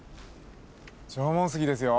縄文杉ですよ。